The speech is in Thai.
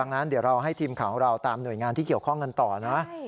ดังนั้นเดี๋ยวเราให้ทีมข่าวของเราตามหน่วยงานที่เกี่ยวข้องกันต่อนะ